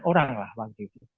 orang lah waktu itu